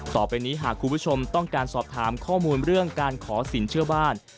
ต่อไปนี้หากคุณผู้ชมต้องการสอบถามข้อมูลเรื่องการขอสินเชื่อบ้าน